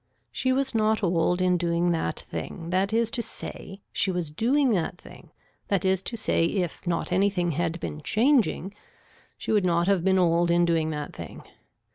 She was not old in doing that thing, that is to say she was doing that thing, that is to say if not anything had been changing she would not have been old in doing that thing.